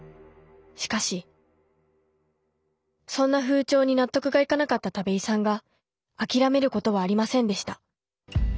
しかしそんな風潮に納得がいかなかった田部井さんが諦めることはありませんでした。